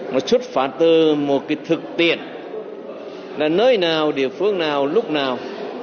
một chút phán tư một cái thực tiễn là nơi nào địa phương nào lúc nào